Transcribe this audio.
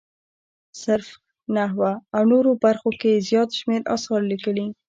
صرف، نحوه او نورو برخو کې یې زیات شمېر اثار لیکلي.